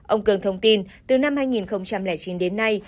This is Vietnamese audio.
ông cường thông tin từ năm hai nghìn chín đến nay